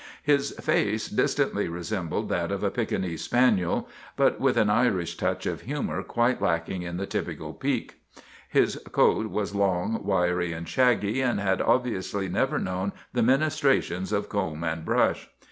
His face distantly resembled that of a Pekingese spaniel, but with an Irish touch of humor quite lacking in the typical Peke. His coat was long, wiry, and shaggy, and had obviously never known the ministrations of comb and brush.